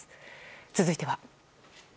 続いては。